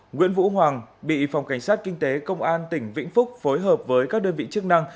nguyễn vũ hoàng bị phòng cảnh sát kinh tế công an tỉnh vĩnh phúc phối hợp với các đơn vị chức năng